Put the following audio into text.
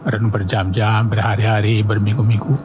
ren berjam jam berhari hari berminggu minggu